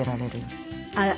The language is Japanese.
あら！